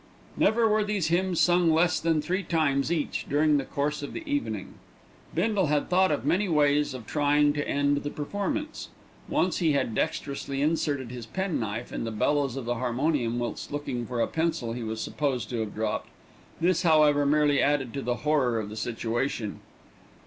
Never were these hymns sung less than three times each during the course of the evening. Bindle had thought of many ways of trying to end the performance. Once he had dexterously inserted his penknife in the bellows of the harmonium whilst looking for a pencil he was supposed to have dropped. This, however, merely added to the horror of the situation.